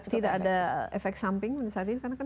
tidak ada efek samping saat ini